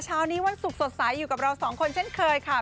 เช้านี้วันศุกร์สดใสอยู่กับเราสองคนเช่นเคยค่ะ